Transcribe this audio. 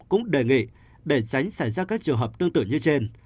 cũng đề nghị để tránh xảy ra các trường hợp tương tự như trên